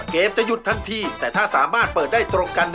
ล้อมตาละลูกอะ